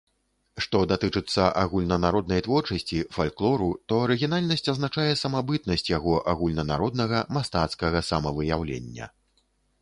Што датычыцца агульнанароднай творчасці, фальклору, то арыгінальнасць азначае самабытнасць яго агульнанароднага, мастацкага самавыяўлення.